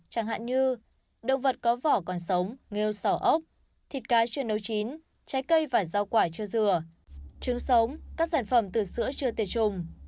chẳng hạn như động vật có vỏ còn sống nghêu sỏ ốc thịt cá chưa nấu chín trái cây và rau quả chưa dừa trứng sống các sản phẩm từ sữa chưa tiệt trùng